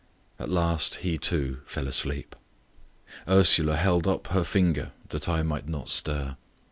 At last he too fell asleep. Ursula held up her finger, that I might not stir.